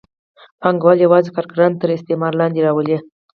پانګوال یوازې کارګران تر استثمار لاندې راولي.